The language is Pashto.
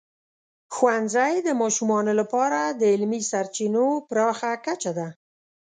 ښوونځی د ماشومانو لپاره د علمي سرچینو پراخه کچه ده.